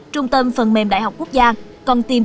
trung tâm phần mềm đh quốc gia còn tìm